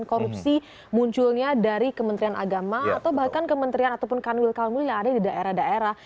korupsi munculnya dari kementerian agama atau bahkan kementerian ataupun kanwil kanwil yang ada di daerah daerah